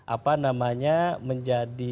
apa namanya menjadi